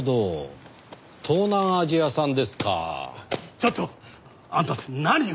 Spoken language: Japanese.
ちょっとあんたたち何を？